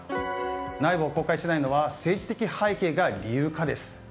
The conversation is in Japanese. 内部を公開しないのは政治的背景が理由か、です。